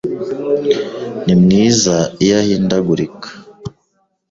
Ni mwiza iyo ahindagurika